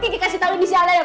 ki kasih tau inisialnya ya